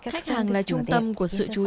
khách hàng là trung tâm của sự chú ý